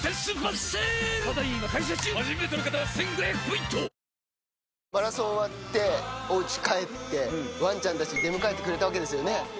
イマラソン終わっておうち帰ってワンちゃんたち出迎えてくれたわけですよね